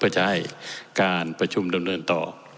เพื่อจะให้การประชุมดำเนินต่อ